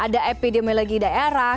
ada epidemiologi daerah